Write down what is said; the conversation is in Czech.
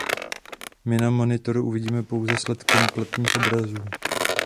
My na monitoru vidíme pouze sled kompletních obrazů.